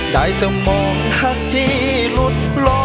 ได้เต็มมองหักที่หลุดหลอย